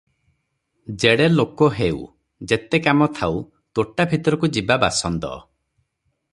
ଯେଡ଼େ ଲୋକ ହେଉ, ଯେତେ କାମ ଥାଉ ତୋଟା ଭିତରକୁ ଯିବା ବାସନ୍ଦ ।